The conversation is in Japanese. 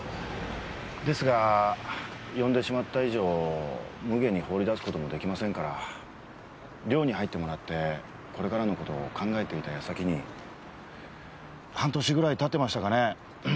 ですが呼んでしまった以上むげに放り出す事も出来ませんから寮に入ってもらってこれからの事を考えていた矢先に半年ぐらい経ってましたかね